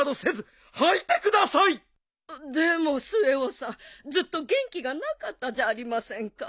でも末男さんずっと元気がなかったじゃありませんか。